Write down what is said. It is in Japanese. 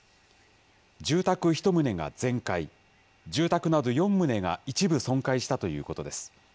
住宅１棟が全壊、住宅など４棟が一部損壊したということです。